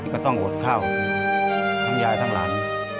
ก็ต้องอดข้าวทั้งยายทั้งหลาน